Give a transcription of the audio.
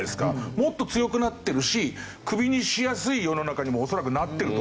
もっと強くなってるしクビにしやすい世の中にも恐らくなってると思うんですよね。